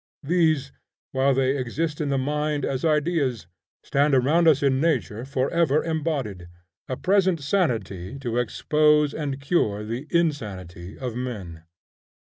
These, while they exist in the mind as ideas, stand around us in nature forever embodied, a present sanity to expose and cure the insanity of men.